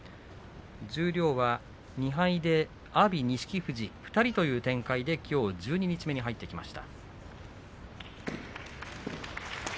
十両は２敗で、阿炎、錦富士２人の展開できょう十二日目に入ってきました。